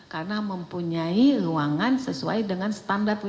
karena mempunyai ruangan sesuai dengan standar who